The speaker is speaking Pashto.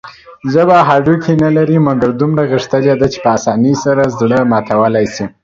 ژبه هډوکي نلري، مګر دومره غښتلي ده چې په اسانۍ سره زړه ماتولى شي.